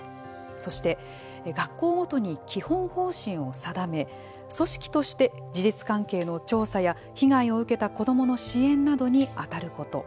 そして、学校ごとに基本方針を定め組織として事実関係の調査や被害を受けた子どもの支援などに当たること。